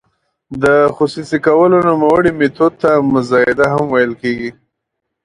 د خصوصي کولو نوموړي میتود ته مزایده هم ویل کیږي.